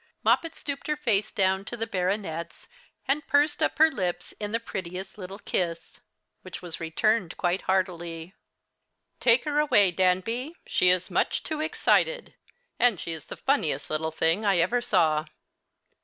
Moppet stooped her face down to the baronet's, and pursed up her red lips in the prettiest little kiss, which was returned quite heartily. "Take her away, Danby: she is much too excited, and she is the funniest little thing I ever saw.